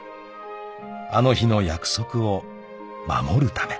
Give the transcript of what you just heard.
［あの日の約束を守るため］